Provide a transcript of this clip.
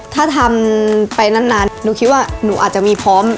ถ้าทำไปนานหนูคิดว่าหนูอาจจะมีพร้อม